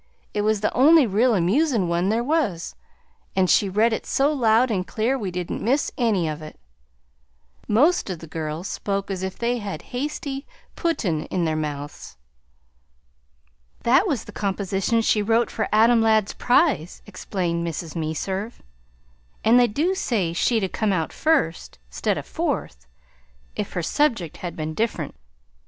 It was the only real amusin' one there was, and she read it so loud and clear we didn't miss any of it; most o' the girls spoke as if they had hasty pudtin' in their mouths." "That was the composition she wrote for Adam Ladd's prize," explained Mrs. Meserve, "and they do say she'd 'a' come out first, 'stead o' fourth, if her subject had been dif'rent.